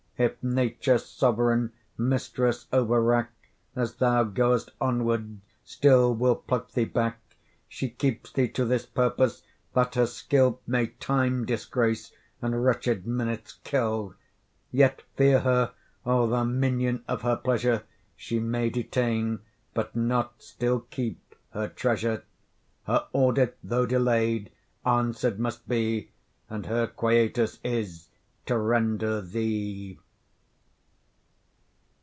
If Nature, sovereign mistress over wrack, As thou goest onwards, still will pluck thee back, She keeps thee to this purpose, that her skill May time disgrace and wretched minutes kill. Yet fear her, O thou minion of her pleasure! She may detain, but not still keep, her treasure: Her audit (though delayed) answered must be, And her quietus is to render thee.